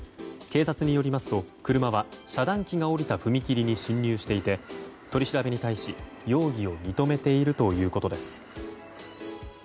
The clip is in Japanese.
警察によりますと車は遮断機が下りた踏切に進入していて、取り調べに対し容疑を認めてるということです。